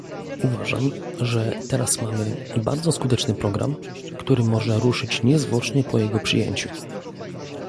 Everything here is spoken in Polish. Uważam, że teraz mamy bardzo skuteczny program, który może ruszyć niezwłocznie po jego przyjęciu